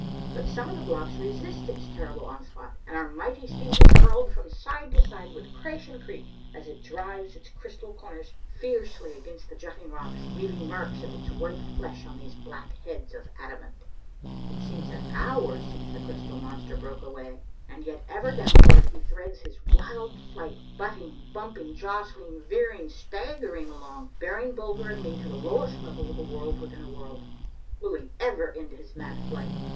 But some of the blocks resist its terrible onslaught and our mighty steed is hurled from side to side with crash and creak, as it drives its crystal corners fiercely against the jutting rocks, leaving marks of its white flesh on these black heads of adamant. It seems an hour since the crystal monster broke away, and yet ever downward he threads his wild flight, butting, bumping, jostling, veering, staggering along, bearing Bulger and me to the lowest level of the World within a World. Will he never end his mad flight?